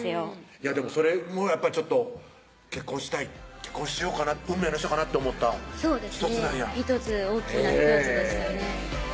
いやでもそれもやっぱり結婚しようかな運命の人かなって思った１つなんや大っきな１つでしたね